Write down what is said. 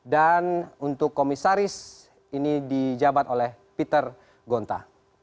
dan untuk komisaris ini dijabat oleh peter gonta